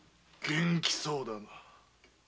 元気そうだな